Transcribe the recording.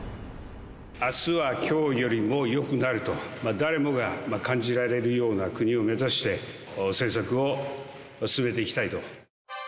あすはきょうよりもよくなると、誰もが感じられるような国を目指して、政策を進めていきたいと。